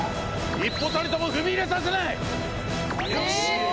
一歩たりとも踏み入れさせない！